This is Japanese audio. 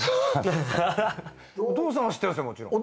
お父さんは知ってますよもちろん。